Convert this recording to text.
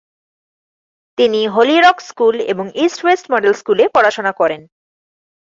তিনি Holy Rock School এবং East West Model স্কুলে পড়াশোনা করেন।